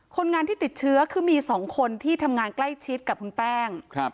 คนงานที่ติดเชื้อคือมี๒คนที่ทำงานใกล้ชิดกับคุณแป้ง